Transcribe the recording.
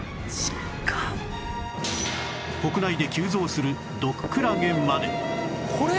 国内で急増する毒クラゲまで